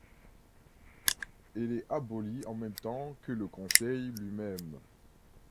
Elle est abolie en même temps que le Conseil lui-même.